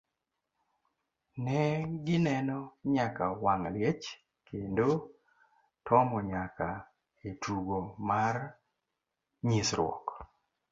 Ne gineno nyaka wang' liech kendo tomo nyaka e tugo mar nyisruok.